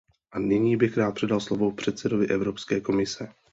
A nyní bych rád předal slovo předsedovi Evropské komise.